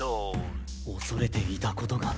恐れていたことが。